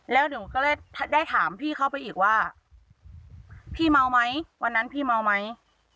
แล้วหนูก็เลยได้ถามพี่เขาไปอีกว่าพี่เมาไหมวันนั้นพี่เมาไหม